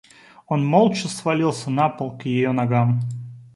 Он молча свалился на пол к ее ногам.